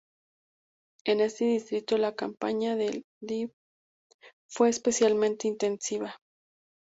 En este distrito, la campaña del ddp fue especialmente intensiva.